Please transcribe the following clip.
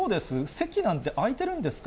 席なんて空いてるんですか？